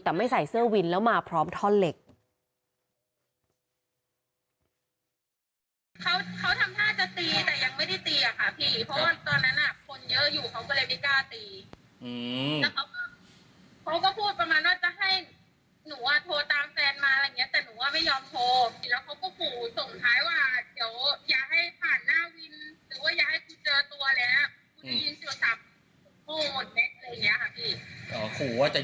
แต่ไม่ใส่เสื้อวินแล้วมาพร้อมท่อนเหล็ก